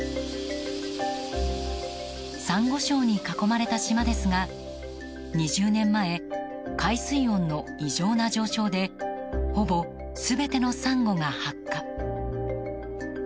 サンゴ礁に囲まれた島ですが２０年前海水温の異常な上昇でほぼ全てのサンゴが白化。